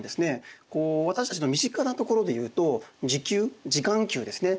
私たちの身近なところで言うと時給時間給ですね。